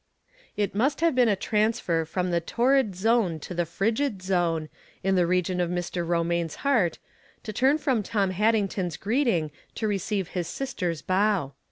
It must have been a transfer from the torrid zone to the frigid zone, in the region of Mr. Ro maine's heart, to turn from Tom Haddington's greeting to receive his sister's bow.